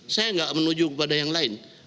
saya tidak menuju kepada yang lain